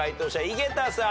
井桁さん。